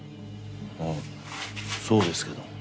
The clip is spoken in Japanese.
ああそうですけど。